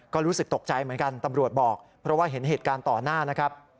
ก็รู้สึกตกใจเหมือนกันตำรวจบอกเพราะว่าเห็นเหตุการณ์ต่อหน้านะครับ